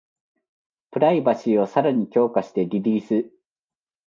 プライバシーをさらに強化してリリース